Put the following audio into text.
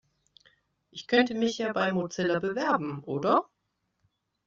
Ich könnte mich ja bei Mozilla bewerben, oder?